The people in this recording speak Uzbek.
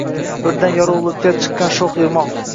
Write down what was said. Birdan yorug’likka chiqqan sho’x irmoq.